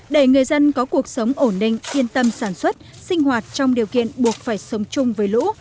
để người dân có cuộc sống ổn định yên tâm sản xuất sinh hoạt trong điều kiện buộc phải sống chung với lũ